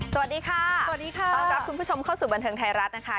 สวัสดีค่ะสวัสดีค่ะต้อนรับคุณผู้ชมเข้าสู่บันเทิงไทยรัฐนะคะ